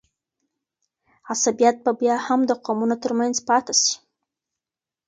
عصبیت به بیا هم د قومونو ترمنځ پاته سي.